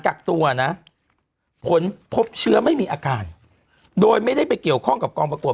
กักตัวนะผลพบเชื้อไม่มีอาการโดยไม่ได้ไปเกี่ยวข้องกับกองประกวด